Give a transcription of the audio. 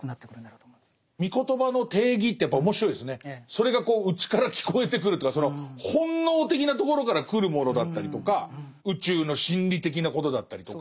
それが内から聞こえてくるというかその本能的なところから来るものだったりとか宇宙の真理的なことだったりとか。